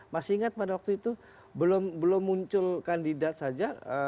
masih ingat pada waktu itu belum muncul kandidat saja